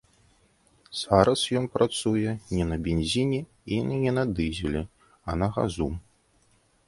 Зараз ён працуе не на бензіне і не на дызелі, а на газу.